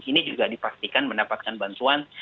ini juga dipastikan mendapatkan bantuan